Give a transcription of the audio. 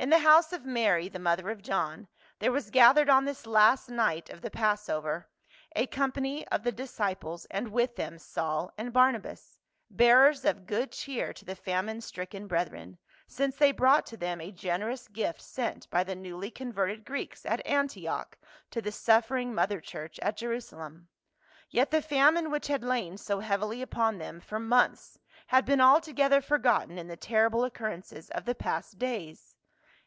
In the house of Mary, the mother of John, there was gathered on this last night of the Passover a company of the disciples, and with them Saul and Barnabas, bearers of good cheer to the famine stricken brethren, since they brought to them a generous gift sent by the newly converted Greeks at Antioch to the suffering mother church at Jerusalem. Yet the famine which had lain so heavily upon them for months had been altogether forgotten in the terri ble occurrences of the past days.